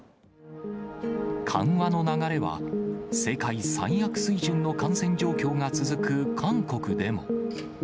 緩和の流れは、世界最悪水準の感染状況が続く韓国でも。